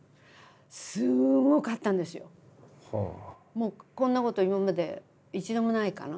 もうこんなこと今まで一度もないかな。